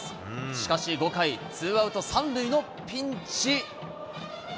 しかし５回、ツーアウト３塁のピンチ。